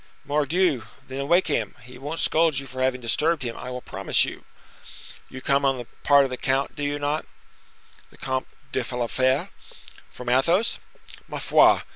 "Mordioux! then wake him. He won't scold you for having disturbed him, I will promise you." "You come on the part of the count, do you not?" "The Comte de la Fere?" "From Athos?" "Ma foi!